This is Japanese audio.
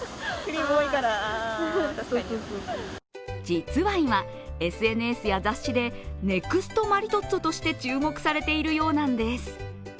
実は今、ＳＮＳや雑誌でネクストマリトッツォとして注目されているようなんです。